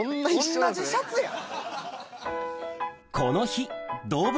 同じシャツやん。